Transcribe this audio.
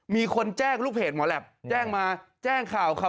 มีคนแจ้งลูกเพจหมอแหลปแจ้งมาแจ้งข่าวค่ะ